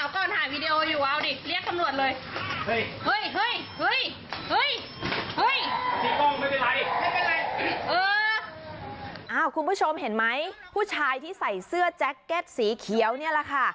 คุณผู้ชมเห็นไหมผู้ชายที่ใส่เสื้อแจ็คเก็ตสีเขียวนี่แหละค่ะ